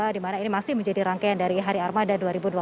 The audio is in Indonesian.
di mana ini masih menjadi rangkaian dari hari armada dua ribu dua puluh